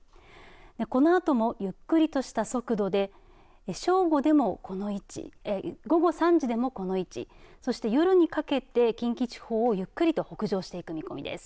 このあともゆっくりとした速度で正午でもこの位置午後３時でもこの位置そして、夜にかけて近畿地方をゆっくりと北上していく見込みです。